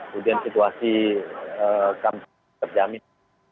kemudian situasi kampus terjamin